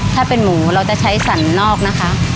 ถ้าเป็นหมูเราจะใช้สันนอกนะคะ